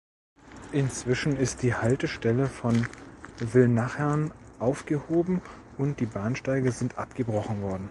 Inzwischen ist die Haltestelle von Villnachern aufgehoben und die Bahnsteige sind abgebrochen worden.